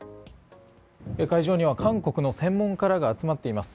会場には韓国の専門家らが集まっています。